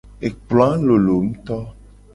Ekploa lolo ngto.